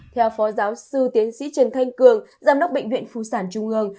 theo phó giáo sư tiến sĩ trần thanh cường giám đốc bệnh viện phụ sản trung ương